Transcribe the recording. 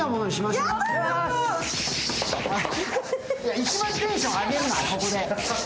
一番テンション上げるな、ここで。